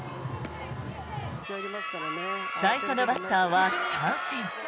最初のバッターは三振。